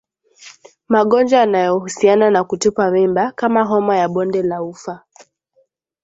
Magonjwa yanayohusiana na kutupa mimba kama homa ya Bonde la Ufa